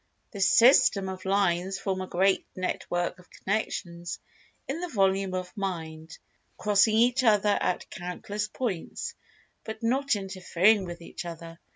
This system of "lines" form a great net work of connections in the volume of Mind, crossing each other at countless points (but not interfering with each other.)